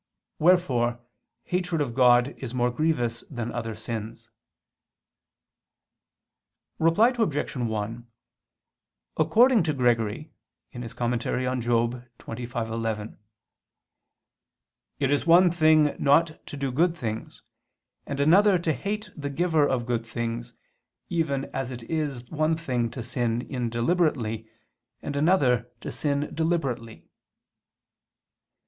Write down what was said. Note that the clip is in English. Wherefore hatred of God is more grievous than other sins. Reply Obj. 1: According to Gregory (Moral. xxv, 11), "it is one thing not to do good things, and another to hate the giver of good things, even as it is one thing to sin indeliberately, and another to sin deliberately."